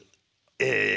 ええ。